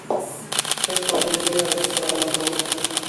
— Һеҙ — күренекле яҙыусы, драматург.